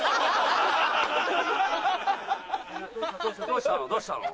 どうしたの？